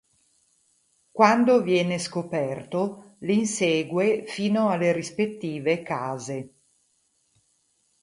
Quando viene scoperto, li insegue fino alle rispettive case.